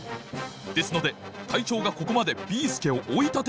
ですので隊長がここまでビーすけをおいたててください。